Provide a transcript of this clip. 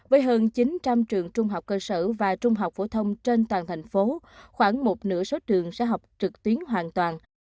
với hơn chín trăm linh trường trung học cơ sở và trung học phổ thông trên toàn thành phố khoảng một nửa số trường sẽ học trực tuyến hoàn toàn